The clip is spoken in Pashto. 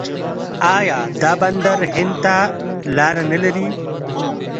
آیا دا بندر هند ته لاره نلري؟